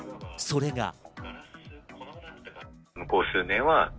それが。